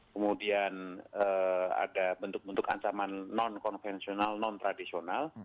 kemudian ada bentuk bentuk ancaman non konvensional non tradisional